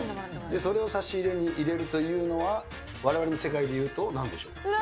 それを差し入れに入れるというのは、われわれの世界でいうとなんでしょう？